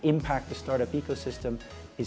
untuk mempengaruhi ekosistem startup